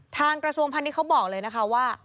ทางกระทรวงพันธุ์นี้เขาบอกเลยนะคะว่า